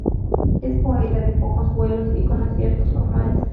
Es poeta de pocos vuelos y con aciertos formales.